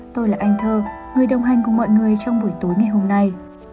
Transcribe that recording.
tôi là anh thơ người đồng hành cùng mọi người trong buổi tối ngày hôm nay